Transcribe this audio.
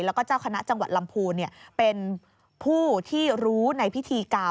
แล้วก็เจ้าคณะจังหวัดลำพูนเป็นผู้ที่รู้ในพิธีกรรม